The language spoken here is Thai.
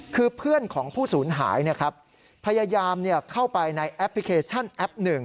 คือเพื่อนของผู้สูญหายพยายามเข้าไปในแอปพลิเคชันแอป๑